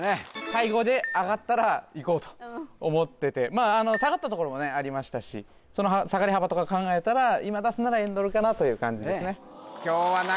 最後で上がったらいこうと思っててまあ下がったところもねありましたしその下がり幅とか考えたら今出すなら円ドルかなという感じですねええ